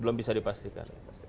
belum bisa dipastikan